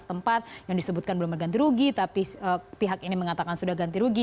tempat yang disebutkan belum berganti rugi tapi pihak ini mengatakan sudah ganti rugi